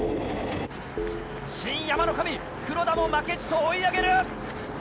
新山の神黒田も負けじと追い上げる！